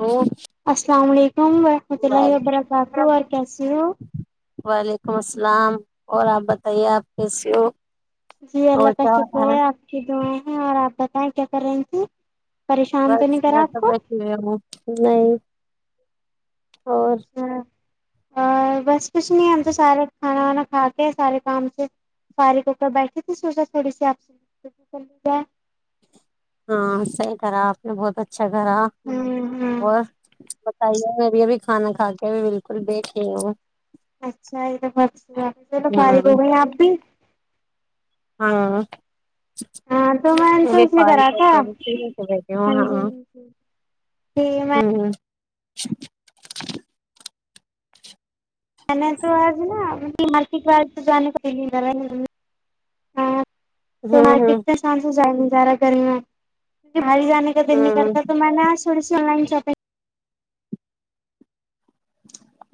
او السلام علیکم ورحمۃ اللہ وبرکاتہ اور کیسی ہو وعلیکم السلام اور آپ بتائیے آپ کیسی ہو جی اور اللہ کا کیا شکر ہو رہا ہے اپ کی دعا جی اپ بتائیں کیا کر رہی تھی پریشان تو بس نہیں کرا ار آپ تو کو میں کی ہ نہیں [inaudible] اور اچھا، اور بس کچھ نہیں ہے ہم تو سارے کھانا وانا کھاتے سارے کام سے فارغ ہو کر بیٹھے تھے سوچا تھوڑی سی آپ سے بات کر لی جائے ہاں صحیح کرا آپ نے بہت اچھا اچھا گا ہمم ہمم اور [inaudible] بتائیے میں ابھی ابھی کھانا کھا کے بھی بالکل بیٹھی ہوں اچھا یہ تو بس چ تو فارغ ہو ہاں گئی آپ بھی [inaudible] ہاں ہاں تو میں نے وہ تو بھی اس لیے کرا فارغ ہو تھا کے ابھی جی فری ہو کے بیٹھی ہوں ہاں ہوں ج میں [inaudible] [inaudible] [inaudible] میں نے تو آج نا مارکیٹ وال جانے کو ہ [inaudible] تو مارکٹ ہوں تو سانجا جائ گارہ کر گ [inaudible] بی جانے کا دن نہیںک ہوں کرتا تو میں نے آ [inaudible] تھوڑی سی آن لائن شاپنگ [inaudible]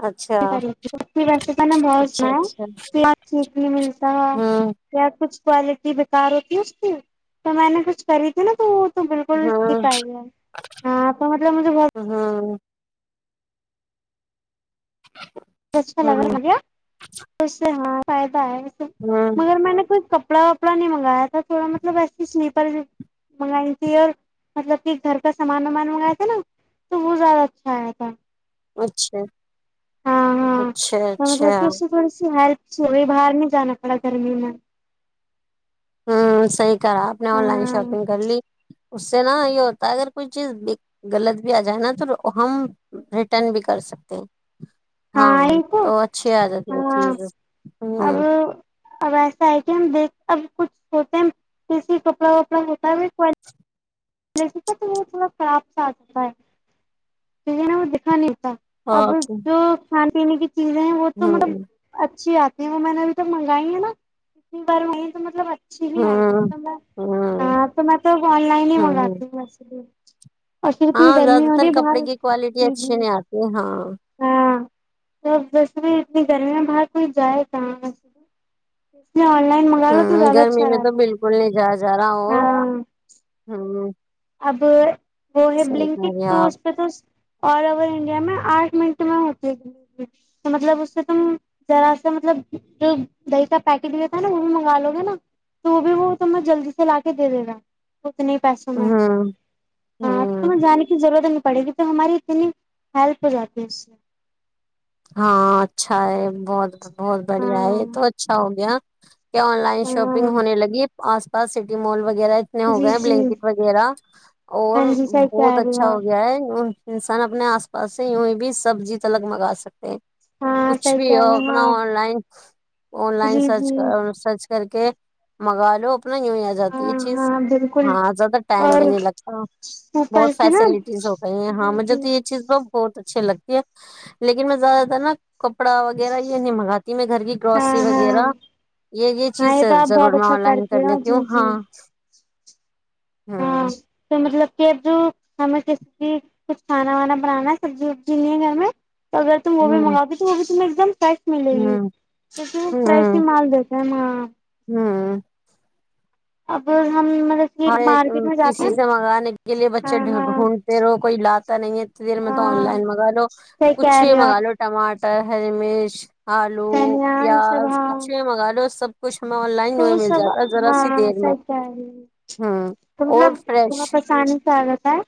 ویسے تو ن بہت اچھا سنا اچھا جی ہ ہوں کیا کچھ کوالٹی بیکار ہوتی ہے اس کی تو میں نے کچھ کری تھی نا تو تو بالکل ٹھیک ہوں آ گیا ہے ہاں تو مطلب مجھے بت ہوں چا لگا ہوں ہو گیا اس سے ہاں فائ ے ہوں مگر میں نے کوئی ک کپڑا وپڑا نہیں منگایا تھا تھوڑا مطلب ایسے سلیپر منگائی تھی اور مطلب کہ گھر کا سامان وامان منگاائے تھے نا تو وہ زیادہ اچھا آیا تھا اچھا ہاں ہاں اچھا تو مطلب اچھا کہ اس سے تھوڑی سی ہیلپ صب بھی باہر نہیں جانا پڑا گرمی میں ہوں صحیح کرا آپ نے آن لائن ہاں شاپنگ کر لی اس سے نا یہ ہوتا ہے اگر کوئی چیز غلط بھی آ جائے نا تو ہم ریٹرن بھی کر سکتے ہیں ہاں یہ تو اچھی عادت ہے ہاں چیز اب ہوں اب ایسا ہے کہ ہم دیکھ اب کچھ ہوتے ہیں کسی ٹکڑا وپڑا ہوتا ہے تو یہ تھوڑا خراب سا آ جاتا ہے تو ہے نا وہ دکھا نہیں چ اب اوکے جو ہان نہیں چیزیں ہیں وہ تو مطلب ہوں اچھی آتی وہ میں نے اب تو منگائی ہے نا بار تو مطبا اچ بھی ہوں تو میں ہوں تو میں تو آن لائن ہی رات ہوں بسے اور پھر اتنی ہاں زیادہ گرمی ہو رہی تر ہے کپڑے باہر کی کوالٹی جی اچھی جی نہیں آتی ہاں ہاں ویسے بھی ا گرمیاں باہر کوئی جائے کہاں لیے آن لائن منگا لو تو ہوں زیادہ گرمی اچھا میں تو رہتا ہے بالکل نہیں جایا جا رہا اور ہاں ہوں اب وہ ہے صحیح کہہ رہی بلنکٹک تو آپ اس پہ تو آل اوور انڈیا میں آٹھ منٹ میں ہوتی تھی تو مطلب اس سے تم ذرا سا مطلب جو دہی کا پیکٹ ہویا تھا نا وہ بھی منگوا لو گے نا تو وہ بھی وہ تمیں جلدی سے لا کے دے دے گا اتنے پیسوں میں ہاں ہاں تمہیں جانے کی ضرورت نہیں پڑے گی تو ہماری اتنی ہیلپ ہو جاتی ہے اس سے ہاں اچھا ہے بہت بڑ بہت بڑھیا ہاں ہے تو اچھا ہو گیا [unintelligible] کیا آن لائن شاپنگ ہاں ہونے لگی آس پاس سٹی مال وغیرہ وغیرہ اتنے ہو جی گئے ہیں جی بلینکٹ وغیرہ اور ہاں جی صحیح کہہ بہت رہے اچھا ہو آپ گیا ہے انسان اپنے آس پاس سے یوںیں بھی سبزی تلک منگا سک ہاں کچھ صحیح کہہ بھی ہو رہے ہیں اپنا آپ آن لائن آن لائن جی سرچ جی سرچ کر کے منگا لو ا یوں ہی آ جاتی ہاں یہ چیز ہاں بالکل ہاں زیادہ ٹائم اور بھی نہیں لگتا اوپر بہت سے نا فیسلٹیز ہو گئی ہیں ہاں جی مجھے جی تو یہ چیز وہ بہت اچھیے لگ لیکن میں زیادہ تر نا کپڑا وغیرہ یہ نہیں منگاتا میں گھر کی ہاں گروسری ہاں وغیرہ یہ یہ ہاں چیز تو سر آپ ضرور بہت میں اچھا آن لائن کر کرتی ہو لیتی ہوں جی جی ہاں ہاں ہوں تو مطلب جو ہمیں کسی بھی کچھ کھانا وانا بنانا ہے سبزی وبزی نہیں ہے گھر میں اگر تم وہ بھی ہوں منگاتی تو وہ بھی م فریش ملے گی ہوں کیکہ وہ فریش ہی ہوں مال دیتے ہیں وہ [unintelligible] اگر ہر ایک کسی سے منگانے کے لیے بچے ہاں ہاں ڈھونڈتے رہو کوئی لا پتہ نہیں ہے ک دیر میں تو آن ہاں لائن منگا لو صحیح کہہ پچھ ہی رہے ہو آپ منگا لو ٹماٹر ہریمیش آلو سانیہ یہ سب پیاز ہاں کچھ بی منگا لو سب کچھ ہمیں آن لائن تو جو وہ مل سب جاتا ہے ذرا سی ہاں دیر میں صحیح کہہ رہی ہو ہوں تو اور مطلب فریش بہت آسانی سے آ جاتا ہے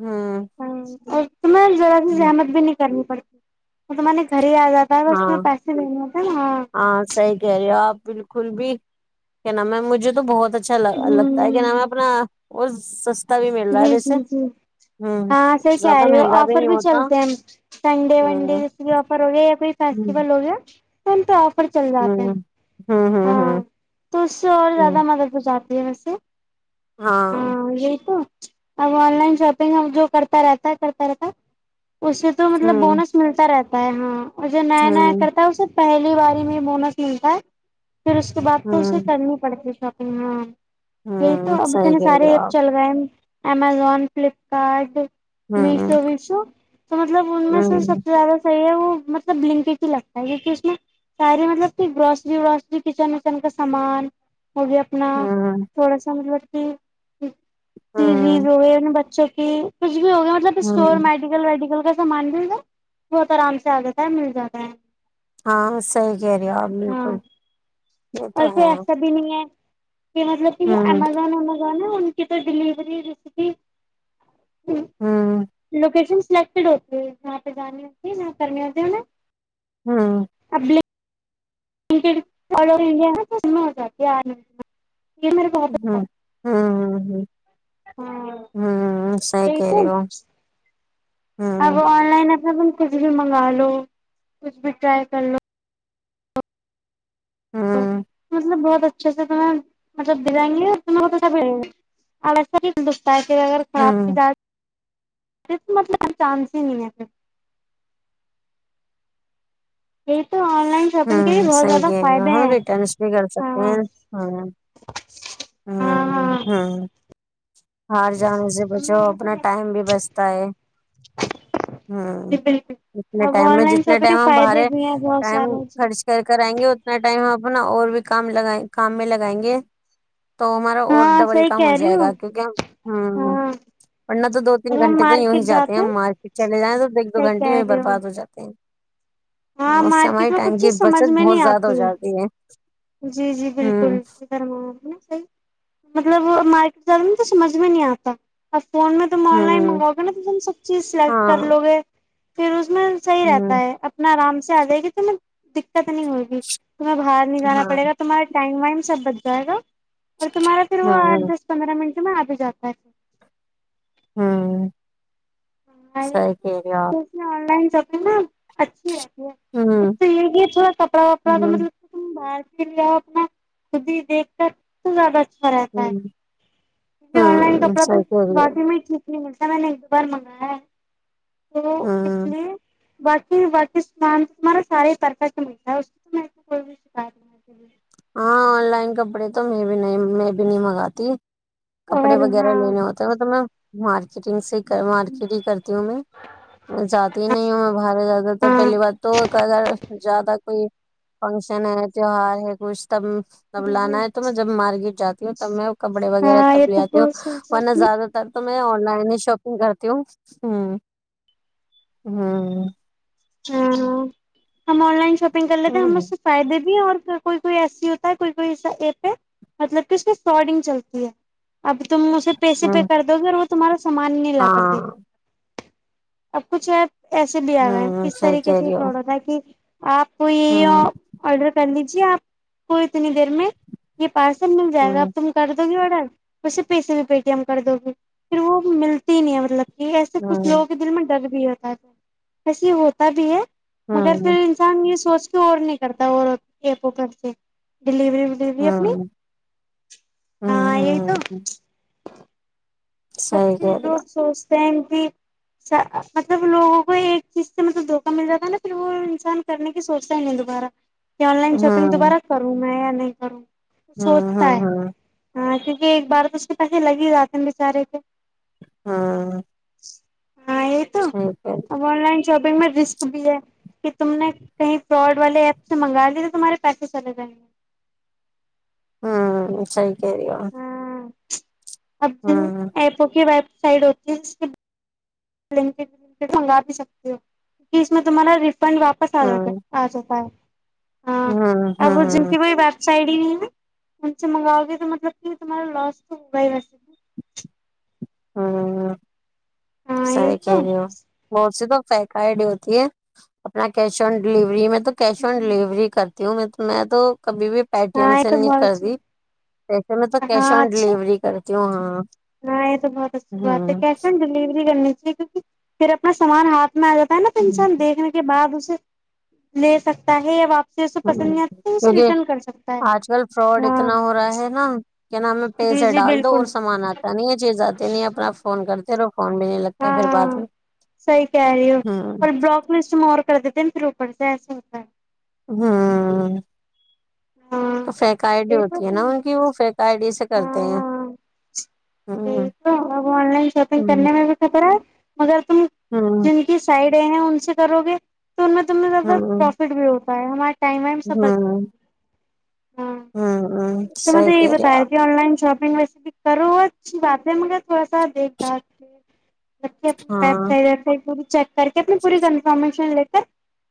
ہوں ہاں اچ ت میں ذای زحمت بھی نہیں کر پڑتی وہے گھر آ جاتا ہے ب اس ہاں میں پیسے نہیں ہوتے نااں ہاں صحیح کہہ رہے ہو آپ بالکل بھی کیا ن میم مجھے تو بہت اچھا لگتا ہے کہ ہمم نامیں اپنا اور س جی جی جی ہاں سر کہ زیادہ رہی ہو مہنگا آفر نہیں بھی ہوتا چلتے ہیں ہم سنڈے ونڈے ہوں جس بھی آفر ہو گئے یا پھر فس ہوں بوگیا سنتا چل جاتے ہیں ہوں ہوں ہاں ہوں تو اس سے اور ہوں زیادہ مدد ہوات جی وس ہاں اب آن لائن شاپنگ اب جو کرتا رہتا ہے کرتا رہتا اس سے تو مطلب ہوں بونس ملتا رہتا پپائ ہ اور جو نیا نیا ہوں کرتا ہوس پہلی باری میں مونس ملتا ہے پھر اس کے بعد تو اسے ہوں کرنی پڑتی ہے سب ہاں یہی ہوں تو اب صحیح اتنے کہہ سارے رہے ہو ایپ آپ چل گئے امزون فلپکارڈ ہوں میسو وشو تو مطلب ان میں سے سب ہوں سے زیادہ صحی ہے مطلب لنکج ہی لگتا ہے کیک کہ اس میں سارے مطلب کہ گروسری وراسری کچن وچن کا سامان وہ بھی اپنا ہوں تھوڑا سا مطلب ہٹ ہٹ [unintelligible] کی جی ہوں روئے ان بچوں [unintelligible] بھی ہو گیا مطلب اسٹور ہوں میڈیکل ویڈیکل کا سامان مل ج بہت آرام سے آ جاتا ہے مل جاتا ہے ہاں صحیح کہہ رہیے آپ ہاں بالکل یہ تو اور پھر ہے ایسا بھی نہیں ہے کہ مطلب کہ جو ہوں امازون نا ان کی تو دلی ری ریسیپی [unintelligible] ہ ہوں لوکیشن سلیکٹیڈ ہوتے ہیں یہاں پہ جانانی آتے ہیں یہاں کرنے ہوتے ہیں انہیں ہمم [unintelligible] کو بہت اچھا ہمم ہمم ہمم لگتا ہے ہاں ہمم ہمم صحیح یہی کہ تو رہی ہو اب ہوں آن لائن اب ہم کچھ بھی منگا لو کچھ بھی ٹرائی کر لو ہوں مطلب بہت [unintelligible] اچھے سے تمہیں مطلب دلائیں گے اور تمہیں [unintelligible] ہوں قسمت کا یار چانس ہی نہیں ہے یہی تو آن لائن شاپنگ کے بھی ہمم بہت صحی زیادہ کہہ رہی ہو فائدے ہم ہیں ریٹرنس بھی کر سکتے ہاں ہیں ہمم [inaudible] ہاں ہمم ہاں ہمم باہر جانے سے بچو ہمیں یہی تو اپنا ٹائم بھی بچتا ہے ہمم جی بالکل اتنے اب ٹائم آن میں لائن جتنے شاپنگ ٹائم کے ہم فائدے باہرے بھی ہیں بہت ٹائم سارے جی خرچ کر کر آئیں گے اتنا ٹائم ہم اپنا اور بھی کام لگایے کام میں لگائیں گے تو ہمارا اور ہاں ڈبل صحیح کام ہو کہہ رہی جائے گا کیونکہ ہم ہمم ہاں ورنہ تو دو تین اب ہم گھنٹے تو یوں ہی مارکیٹ جاتے ہیں ہم مارکیٹ چلے جائیں تو ایک دو صحیح گھنٹے یوں کہہ ہی رہے برباد ہو جاتے ہیں ہاں اس سے ہماری مارکیٹ میں کچھ ٹائم کی چیز سمجھ بچت میں بہت نہیں زیادہ ہو آتی جاتی ہے جی جی بالکل ہوں مطلب مارکیٹ جانا میں تو سمجھ میں نہیں آتا فون میں تم آن لائن ہوں منگوؤ گے نا تو تم سب چیز سلیکٹ کر ہاں لو گے پھر اس میں صحیح ہوں رہتا ہے اپنا آرام سے آجائے گی تمیں دقت نہیں ہوگی تمیں باہر نہیں جانا ہاں پڑے گا تمہارے ٹائم وائم سب بچ جائے گا اور تمہارا پھر وہ آٹھ ہوں دس پندرہ منٹ میں آ بھی جاتا ہے ہمم تو اس میں آن لائن تبھی نا اچھی ہے اس ہوں تو یہ ہے تھوڑا کپڑا وپڑا تو ہوں مطلب ہم باہر خدی لاو اپنا خود بھی دیکھ کر تو زیادہ کرراتا ہے ہوں م آن لائن ہوں کپڑا تو صحیح کہہ رہی ہو باقی میں سم نہیں بارم گ [unintelligible] تو اس ہوں لیے [unintelligible] باقی باقی سامان تو تمہارا سارے ہی پرفیکٹ ملتا ہے اس تو کوئی بھی شکایت نہیں ہاں آن لائن کپڑے تو میں بھی نہیں میں بھی نہیں منگاتی کپڑے اور وغیرہ ہاں لینے ہوتے ہیں مطلب ن مارکیٹنگ سے مارکیٹ ہی کرتی ہوں میں جاتی ہی نہیں ہوں میں باہر زیادہ تر ہاں پہلی بات تو اگر زیادہ کوئی فنکشن ہے تیوہار ہے خوش تب تب جی جی لانا ہے تو میں جب مارکیٹ جاتی ہوں تب میں کپڑے وغیرہ ہاں یہ تب لے تو آی ہوں بہت ورنہ صحیح زیادہ تر تو میں آن لائن ہی شاپنگ کرتی ہوں ہ ہ ہاں ہم آن لائن شاپنگ کر لیتے تھ ہیں ہم ہوں اس سے فائدے بھی اور کوئی کوئی ایسی ہوتا ہے کوئی کوئی ایسا ای پہ مطلب کہ اس کی فراڈنگ چلتی ہے اب تم اسے پیسے پے ہوں کر دو گے وہ ار [unintelligible] سامان نہیں لا کر دے ہاں گا اب کچھ ہے ایسے بھییا رہ ہوں اسس صحیح طریقے کہہ سے یہ رہی فوڑ ہو تھا کہ آپ یہ ہوں آڈر کرنی جی آپ کو اتنی دیر میں یہ پارسل مل جائے گا ا ہوں تم کر دو گے اور سر اسے پیسے بھی پے ٹی ایم کر دو گی پھر وہ ملتی ہی نہیں ہے مطلب یہ ایسے کچھ ہوں لوگ کے دل میں ڈر بھی ہوتا تھاسے ہو تا بھی ہے [unintelligible] مگر ہوں پھر انسان یہ سوچ ک اور نہیں کرتا اور ایک پ سے ڈیلیوری ولیوری اپنی ہوں ہاں یہی تو ہوں ہوں جب صحیح کہہ رہی ہو لوگ سوچتے مطلب لوگوں کو ایک چیز سے ملب دھوکا مل جاتا ہے نا پھر وہ انسان کرنے کی سوچتا ہی نہیں دوبارہ کہ آن لائن شاپنگ دو ہوں بارہا کروں میں ی نہیں کروں ہوں سوچتا ہوں ہے ہوں ہاں کہ ایک بار تو اس کے پیسے لگ ہی جاتے ہیں بےچارے ہاں [inaudible] ہاں یہ تو اب آن لائن شاپنگ میں رسک بھی ہے کہ تم نے کہیں فراڈ والے ایپ سے منگا دیے تو تمہارے پیسے چلے جائیں گے ہوں سیحریو ہاں ابن ایپو کے وب سائڈ ہوتی ہے اس ل منگا بھی سکتے ہو کی اس میں تمہارا ر پن واپس آ رہ تھا آجا س ہے ہاں ہاں ہ سائڈ ہی نہیں ان سے منگاؤ گے تو مطلب کہ تمہارا لاس تو ہوگا ہی ویسے بھی ہاں ہاں یہ سی تو کہری ہو بولچ تو فکائی ڈ ہوتی ہے اپنا کیش آن ڈلیوری میں تو کیش آن ڈیلیوری کرتے تی ہوں میں تو کبھی بھی پیٹی ایم ہاں یہ سے تو نہیں بہت کر دی اچھا جیسے میں تو ہاں کیش آن اچھا ڈلیوری کرے تواں ہاں یہ تو بہت اچھی بات ہے کیش آ ڈیلیوری کرنی کیکہ پھر اپنا سامان ہاتھ نا آ جاتا ہے نا تو ہ انسان دیکنے کے بد اس لے سکتا ہے آپ کیونکہ ہے آج کل فراڈ ہاں اتنا ہو رہا ہے نا کیا نام ہمیں پیس جی سے جی ڈال دو بالکل اور سامان آتا نہیں ہے چیز آتی نہیں ہے اپنا فون کرتے رہو فون بھی نہیں لگتا پھر ہاں بعد میں سی کاری ہوں اور بوک لسٹ م کر دیتے ہیںا پھر اوپر سے ایسا ہوتا ہے ہاں ہاں تو فیکئی ڈی یہی تو ہوتی ہے نا ان کی وہ فیکئی ڈی سے کرتے ہاں ہیں ہاں یہی ہ تو اب آن لائن شاپنگ ہ کرنے میں بھی خطرہ ہے مگر تم جن کی سائڈ ڑے ہیں ان سے کرو گے تو ان میں ت زر ہ پروفٹ بھی ہو ہمار ٹائم وائم سے بچا ہ ہاں ہ تو م صحیح نے یہی کہہ رہے ہو بتایا کہ آن لائن شاپگ ریسیپ کرو بات ہے م تھوڑا سا دیکھ بھات رکھے آپ اپنی ویب ہاں سائٹ وبائٹ پوری چیک کر کے اپنی پوری کنفرمیشن ل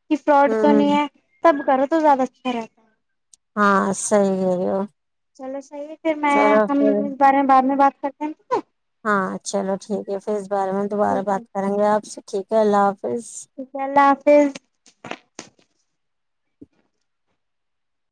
کہ فراڈ تو نہیں ہ ہے سب کرو تو زیادہ اچھا رہتا ہے ہاں سی ہے ہو چلو صحیح پھر میں چلو ہم پھر بارے ہیں بعد میں بات کر تو ہاں چلو ٹھیک ہے پھر بارے میں دوبارہ بات کریں گے آپ سے ٹھیک ہے اللہ حاظ انشا اللہ حافظ